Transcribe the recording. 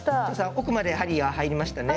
奥まで針は入りましたね。